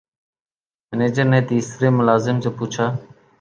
manager نے تیسرے ملازم سے پوچھا